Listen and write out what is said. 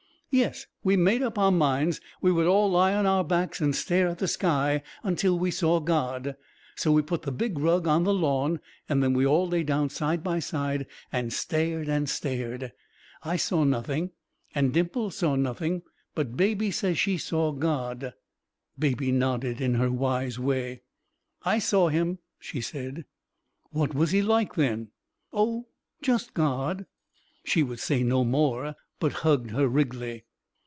"Yes, we made up our minds we would all lie on our backs and stare at the sky until we saw God. So we put the big rug on the lawn and then we all lay down side by side, and stared and stared. I saw nothing, and Dimples saw nothing, but Baby says she saw God." Baby nodded in her wise way. "I saw Him," she said. "What was He like, then?" "Oh, just God." She would say no more, but hugged her Wriggly.